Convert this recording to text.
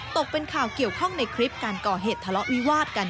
ตกเป็นข่าวเกี่ยวข้องในคลิปการก่อเหตุทะเลาะวิวาดกัน